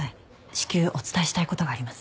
至急お伝えしたい事があります。